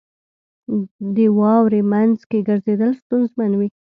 • د واورې مینځ کې ګرځېدل ستونزمن وي.